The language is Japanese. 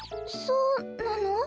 そうなの？